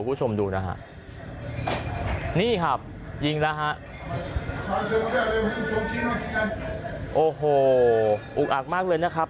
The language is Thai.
คุณผู้ชมดูนะฮะนี่ครับยิงแล้วฮะโอ้โหอุกอักมากเลยนะครับ